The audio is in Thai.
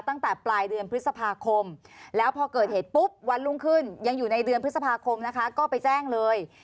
ตั้งแต่ปลายเดือนพฤษภาคมแล้วพอเกิดเหตุปุ๊บวันรุ่งขึ้นยังอยู่ในเดือนพฤษภาคมนะคะก็ไปแจ้งเลย